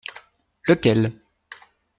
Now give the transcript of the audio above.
Lequel ?